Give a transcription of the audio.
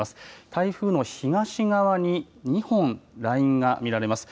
台風の東側に２本、ラインが見られます。